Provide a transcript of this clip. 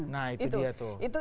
pengamanan dan pembinaan